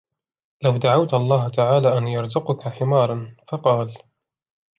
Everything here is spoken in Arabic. لَوْ دَعَوْتَ اللَّهَ تَعَالَى أَنْ يَرْزُقَك حِمَارًا ؟ فَقَالَ